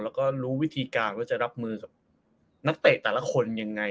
แล้วก็รู้วิธีการว่าจะรับมือกับนักเตะแต่ละคนยังไง